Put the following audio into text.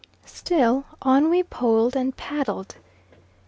Still on we poled and paddled.